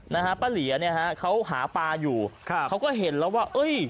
นะฮะป้าเหลียเนี่ยฮะเขาหาปลาอยู่ครับเขาก็เห็นแล้วว่าเอ้ย